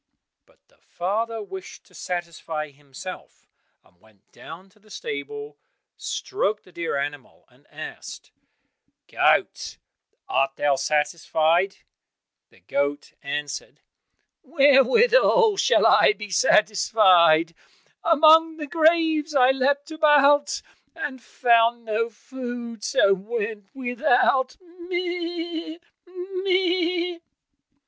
But the father wished to satisfy himself, and went down to the stable, stroked the dear animal and asked, "Goat, art thou satisfied?" The goat answered, "Wherewithal should I be satisfied? Among the graves I leapt about, And found no food, so went without, meh! meh!"